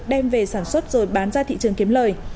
đem về sản xuất rồi bán ra thị trường kiếm lời